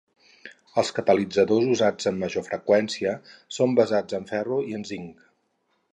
Els catalitzadors usats amb major freqüència són basats en ferro i en zinc.